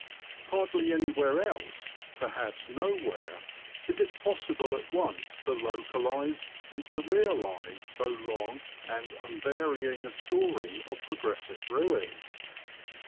Hardly anywhere else, perhaps nowhere, is it possible at once to localize and to realize so long and unvarying a story of progressive ruin.